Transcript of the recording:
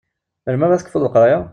Melmi ara tekfuḍ leqraya?